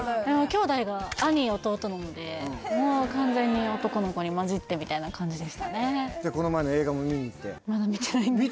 きょうだいが兄弟なのでもう完全に男の子に交じってみたいな感じでしたね